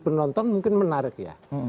penonton mungkin menarik ya